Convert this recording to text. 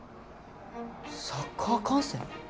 サッカー観戦？